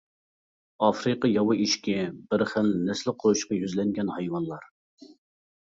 ئافرىقا ياۋا ئېشىكى بىر خىل نەسلى قۇرۇشقا يۈزلەنگەن ھايۋانلار.